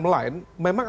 memang ada yang menyebabkan